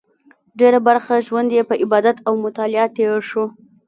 ډېره برخه ژوند یې په عبادت او مطالعه تېر شو.